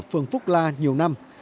phường phúc la nhiều năm